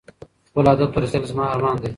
خپل هدف ته رسېدل زما ارمان دی.